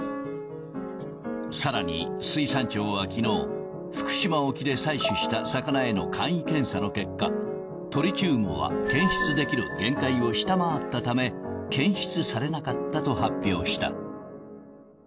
さらに水産庁はきのう、福島沖で採取した魚への簡易検査の結果、トリチウムは検出できる限界を下回ったため、検出されなかったと発表した。